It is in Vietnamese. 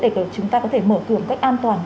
để chúng ta có thể mở cửa một cách an toàn